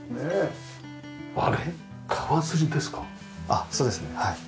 あっそうですねはい。